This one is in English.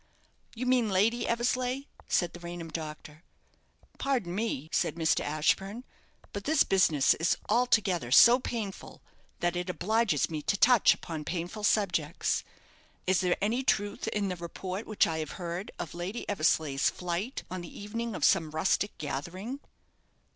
"You mean Lady Eversleigh?" said the Raynham doctor. "Pardon me," said Mr. Ashburne; "but this business is altogether so painful that it obliges me to touch upon painful subjects. Is there any truth in the report which I have heard of Lady Eversleigh's flight on the evening of some rustic gathering?"